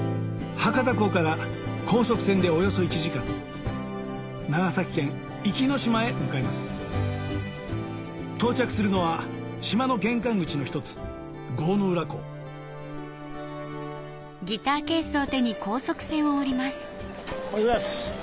博多港から高速船でおよそ１時間長崎県壱岐島へ向かいます到着するのは島の玄関口の一つおはようございます。